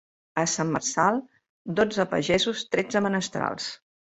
A Sant Marçal, dotze pagesos, tretze menestrals.